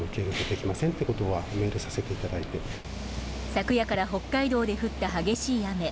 昨夜から北海道で降った激しい雨。